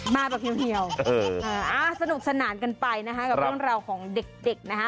มาแบบเดียวสนุกสนานกันไปนะคะกับเรื่องราวของเด็กนะคะ